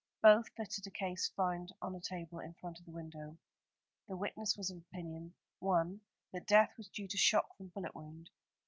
Both fitted a case found on a table in front of the window. The witness was of opinion, 1. That death was due to shock from bullet wound.